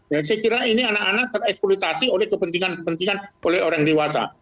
ya saya kira ini anak anak tereksploitasi oleh kepentingan kepentingan oleh orang dewasa